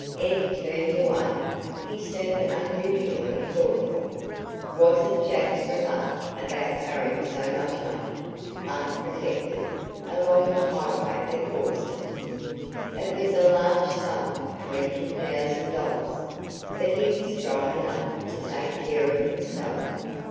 Ed turned away. He seemed unusually thoughtful. Was it Jack's remark about carrying so much money, unprotected, along the highway that caused it? It was a large sum twenty thousand dollars. But he was strong enough to take care of himself.